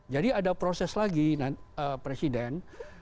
jadi ada proses lagi presiden